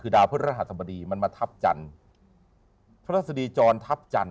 คือดาวพระศรัทธาสบดีมันมาทับจันทร์พระศรษฎีจรทับจันทร์